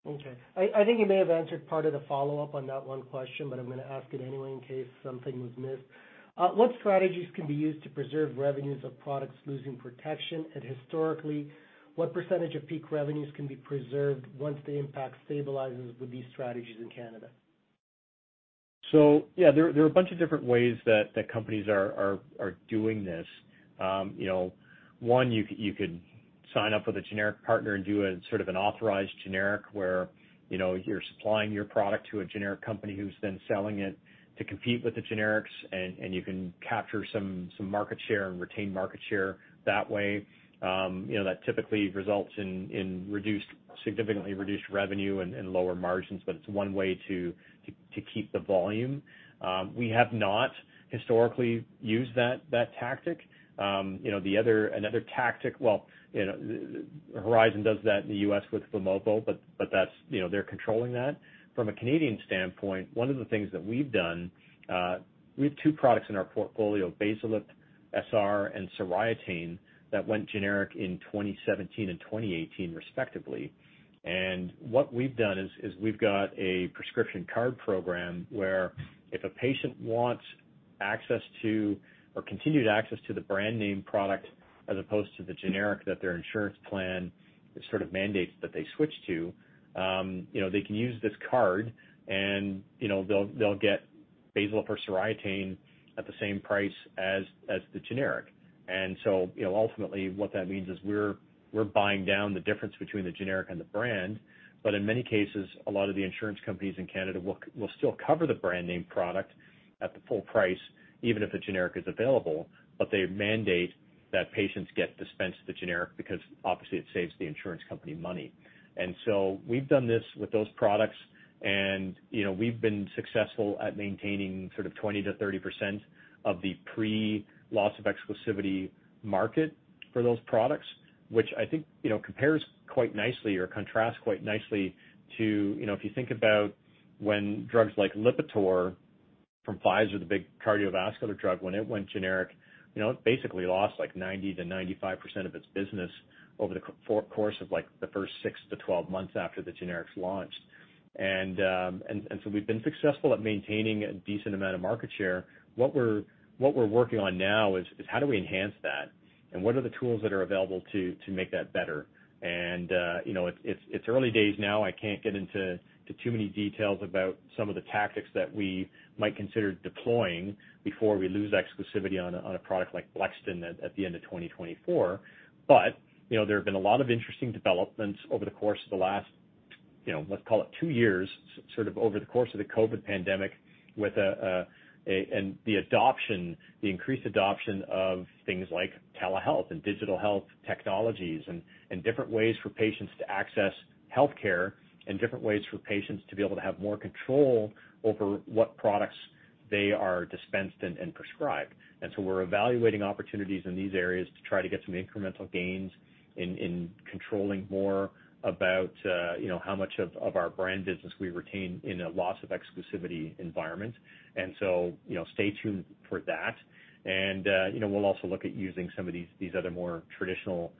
Okay. I think you may have answered part of the follow-up on that one question, but I'm going to ask it anyway in case something was missed. What strategies can be used to preserve revenues of products losing protection? Historically, what percentage of peak revenues can be preserved once the impact stabilizes with these strategies in Canada? Yeah, there are a bunch of different ways that companies are doing this. One, you could sign up with a generic partner and do a sort of an authorized generic where you're supplying your product to a generic company who's then selling it to compete with the generics, and you can capture some market share and retain market share that way. That typically results in significantly reduced revenue and lower margins, but it's one way to keep the volume. We have not historically used that tactic. Another tactic, well, Horizon does that in the U.S. with Vimovo, but they're controlling that. From a Canadian standpoint, one of the things that we've done, we have two products in our portfolio, Bezalip SR and Soriatane, that went generic in 2017 and 2018, respectively. What we've done is we've got a prescription card program where if a patient wants access to, or continued access to the brand name product, as opposed to the generic that their insurance plan sort of mandates that they switch to, they can use this card and they'll get Bezalip or Soriatane at the same price as the generic. Ultimately, what that means is we're buying down the difference between the generic and the brand. In many cases, a lot of the insurance companies in Canada will still cover the brand name product at the full price, even if the generic is available. They mandate that patients get dispensed the generic because obviously it saves the insurance company money. We've done this with those products, and we've been successful at maintaining sort of 20%-30% of the pre-loss of exclusivity market for those products, which I think compares quite nicely or contrasts quite nicely to if you think about when drugs like LIPITOR from Pfizer, the big cardiovascular drug, when it went generic, it basically lost like 90%-95% of its business over the course of the first 6-12 months after the generics launched. We've been successful at maintaining a decent amount of market share. What we're working on now is how do we enhance that? What are the tools that are available to make that better? It's early days now. I can't get into too many details about some of the tactics that we might consider deploying before we lose exclusivity on a product like Blexten at the end of 2024. There have been a lot of interesting developments over the course of the last, let's call it two years, sort of over the course of the COVID pandemic, and the increased adoption of things like telehealth and digital health technologies and different ways for patients to access healthcare and different ways for patients to be able to have more control over what products they are dispensed and prescribed. We're evaluating opportunities in these areas to try to get some incremental gains in controlling more about how much of our brand business we retain in a loss of exclusivity environment. So, stay tuned for that. And, you know, we'll also look at using some of these other more traditional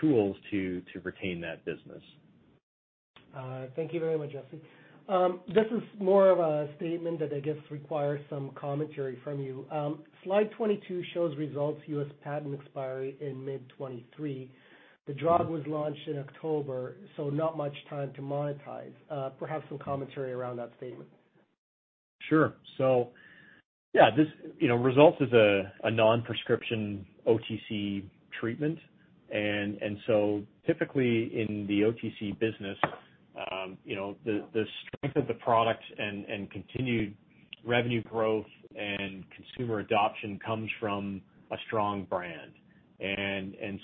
tools to retain that business. Thank you very much, Jesse. This is more of a statement that I guess requires some commentary from you. Slide 22 shows results, U.S. patent expiry in mid 2023. The drug was launched in October, so not much time to monetize. Perhaps some commentary around that statement. Sure. Yeah, Resultz is a non-prescription OTC treatment. Typically in the OTC business, the strength of the product and continued revenue growth and consumer adoption comes from a strong brand.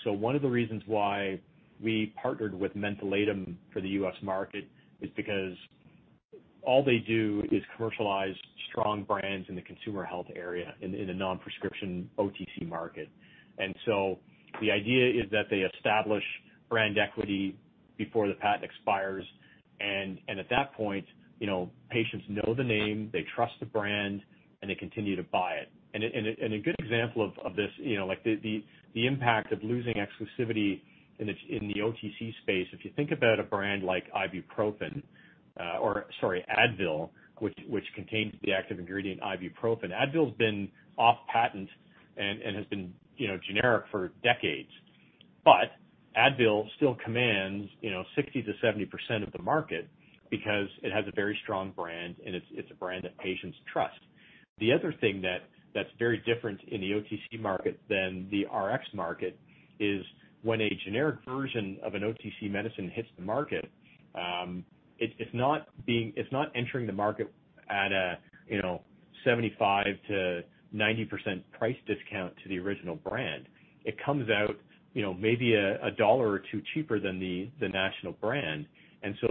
One of the reasons why we partnered with Mentholatum for the U.S. market is because all they do is commercialize strong brands in the consumer health area, in the non-prescription OTC market. The idea is that they establish brand equity before the patent expires, and at that point, patients know the name, they trust the brand, and they continue to buy it. A good example of this, the impact of losing exclusivity in the OTC space, if you think about a brand like ibuprofen, or sorry, Advil, which contains the active ingredient ibuprofen. Advil's been off patent and has been generic for decades. Advil still commands 60%-70% of the market because it has a very strong brand, and it's a brand that patients trust. The other thing that's very different in the OTC market than the RX market is when a generic version of an OTC medicine hits the market, it's not entering the market at a 75%-90% price discount to the original brand. It comes out maybe $1 or $2 cheaper than the national brand.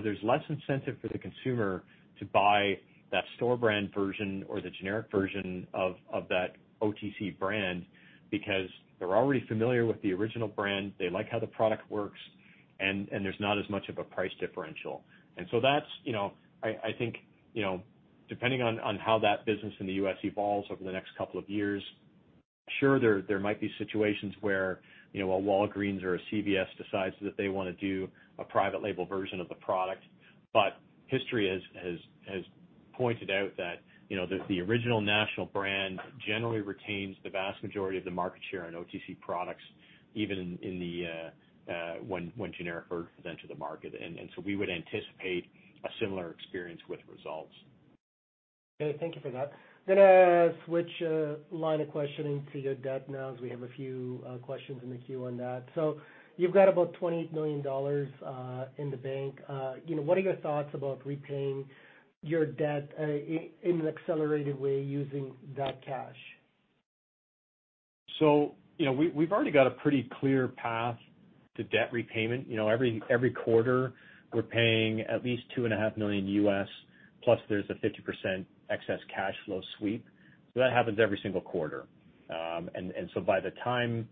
There's less incentive for the consumer to buy that store brand version or the generic version of that OTC brand, because they're already familiar with the original brand. They like how the product works, and there's not as much of a price differential. That's, I think, depending on how that business in the U.S. evolves over the next couple of years, sure, there might be situations where a Walgreens or a CVS decides that they want to do a private label version of the product. But, history has pointed out that the original national brand generally retains the vast majority of the market share in OTC products, even when generic versions enter the market. We would anticipate a similar experience with Resultz. Okay. Thank you for that. I'm going to switch line of questioning to your debt now, as we have a few questions in the queue on that. You've got about 28 million dollars in the bank. What are your thoughts about repaying your debt in an accelerated way using that cash? We've already got a pretty clear path to debt repayment. Every quarter, we're paying at least $2.5 million, plus there's a 50% excess cash flow sweep. That happens every single quarter. By the time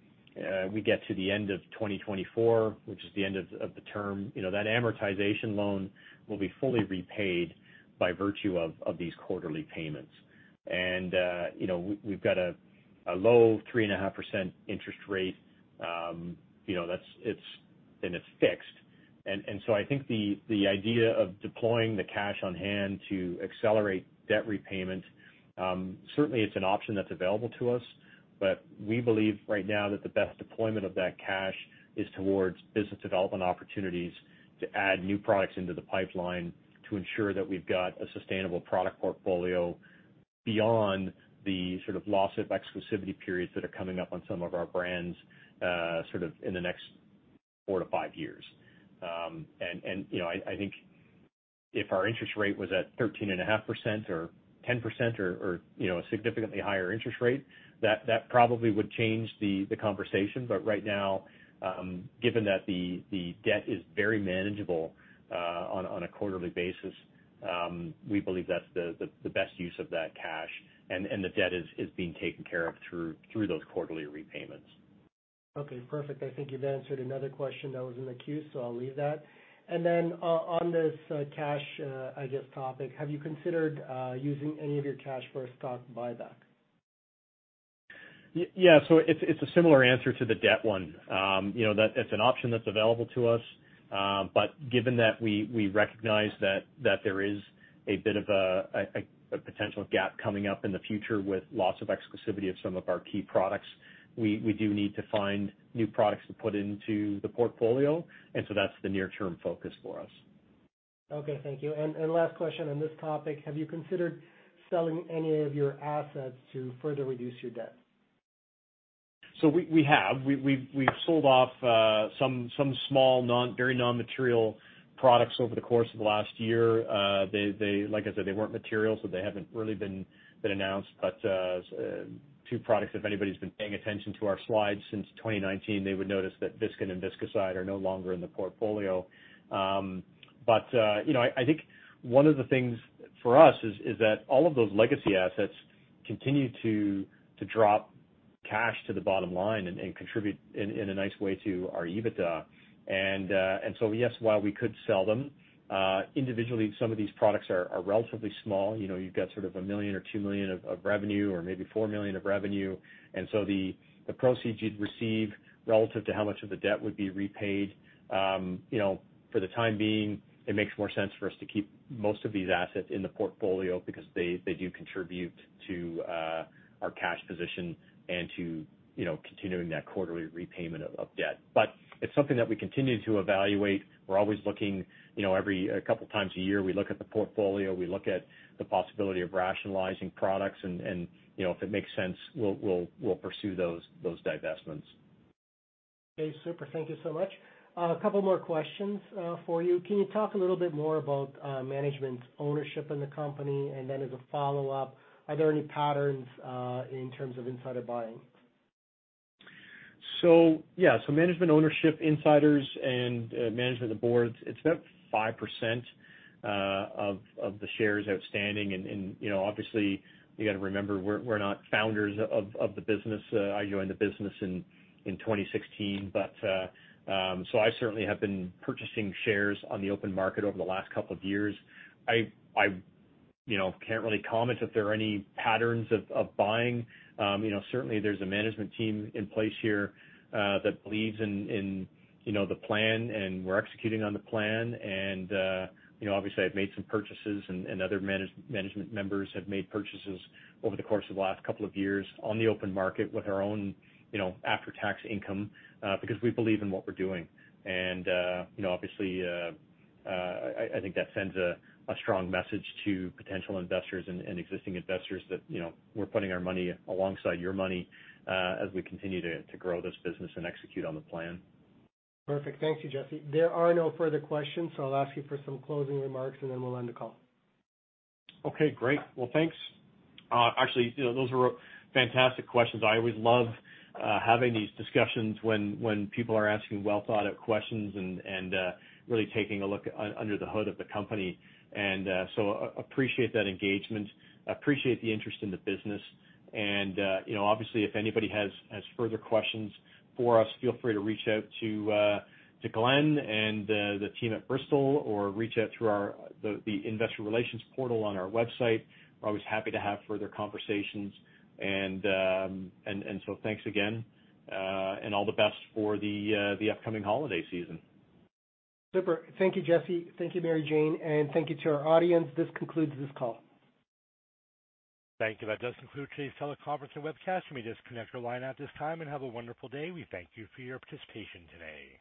we get to the end of 2024, which is the end of the term, that amortization loan will be fully repaid by virtue of these quarterly payments. We've got a low 3.5% interest rate, and it's fixed. I think the idea of deploying the cash on hand to accelerate debt repayment, certainly it's an option that's available to us, but we believe right now that the best deployment of that cash is towards business development opportunities to add new products into the pipeline to ensure that we've got a sustainable product portfolio beyond the sort of loss of exclusivity periods that are coming up on some of our brands sort of in the next four to five years. I think if our interest rate was at 13.5% or 10% or a significantly higher interest rate, that probably would change the conversation. Right now, given that the debt is very manageable on a quarterly basis, we believe that's the best use of that cash, and the debt is being taken care of through those quarterly repayments. Okay, perfect. I think you've answered another question that was in the queue, so I'll leave that. On this cash, I guess, topic, have you considered using any of your cash for a stock buyback? Yeah. It's a similar answer to the debt one. That's an option that's available to us. Given that we recognize that there is a bit of a potential gap coming up in the future with loss of exclusivity of some of our key products, we do need to find new products to put into the portfolio. That's the near term focus for us. Okay, thank you. Last question on this topic. Have you considered selling any of your assets to further reduce your debt? We have. We've sold off some small, very non-material products over the course of the last year. Like I said, they weren't material, so they haven't really been announced, but two products, if anybody's been paying attention to our slides since 2019, they would notice that Visken and Viskazide are no longer in the portfolio. I think one of the things for us is that all of those legacy assets continue to drop cash to the bottom line and contribute in a nice way to our EBITDA. Yes, while we could sell them individually, some of these products are relatively small. You've got sort of 1 million or 2 million of revenue or maybe 4 million of revenue, and so the proceeds you'd receive relative to how much of the debt would be repaid. For the time being, it makes more sense for us to keep most of these assets in the portfolio because they do contribute to our cash position and to continuing that quarterly repayment of debt. It's something that we continue to evaluate. We're always looking, every couple of times a year, we look at the portfolio, we look at the possibility of rationalizing products, and if it makes sense, we'll pursue those divestments. Okay, super. Thank you so much. A couple more questions for you. Can you talk a little bit more about management's ownership in the company? And then as a follow-up, are there any patterns in terms of insider buying? Yeah. Management ownership, insiders, and management of the boards, it's about 5% of the shares outstanding. Obviously, you got to remember, we're not founders of the business. I joined the business in 2016. I certainly have been purchasing shares on the open market over the last couple of years. I can't really comment if there are any patterns of buying. Certainly, there's a management team in place here that believes in the plan, and we're executing on the plan. Obviously, I've made some purchases, and other management members have made purchases over the course of the last couple of years on the open market with our own after-tax income because we believe in what we're doing. Obviously, I think that sends a strong message to potential investors and existing investors that we're putting our money alongside your money as we continue to grow this business and execute on the plan. Perfect. Thank you, Jesse. There are no further questions, so I'll ask you for some closing remarks, and then we'll end the call. Okay, great. Well, thanks. Actually, those were fantastic questions. I always love having these discussions when people are asking well-thought-out questions and really taking a look under the hood of the company. Appreciate that engagement. Appreciate the interest in the business. Obviously, if anybody has further questions for us, feel free to reach out to Glen and the team at Bristol or reach out through the investor relations portal on our website. We're always happy to have further conversations. Thanks again and all the best for the upcoming holiday season. Super. Thank you, Jesse. Thank you, Mary-Jane, and thank you to our audience. This concludes this call. Thank you. That does conclude today's teleconference and webcast. You may disconnect your line at this time and have a wonderful day. We thank you for your participation today.